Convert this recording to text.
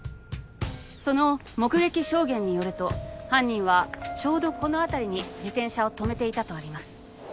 その目撃証言によると犯人はちょうどこの辺りに自転車を止めていたとあります。